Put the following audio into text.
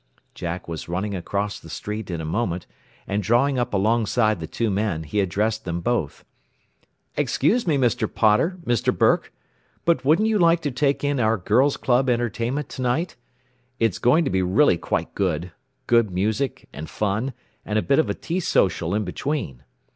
Jack was running across the street in a moment, and drawing up alongside the two men, he addressed them both. "Excuse me, Mr. Potter, Mr. Burke but wouldn't you like to take in our Girls' Club entertainment to night? It's going to be really quite good good music, and fun, and a bit of tea social in between.